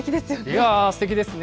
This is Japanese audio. いやー、すてきですね。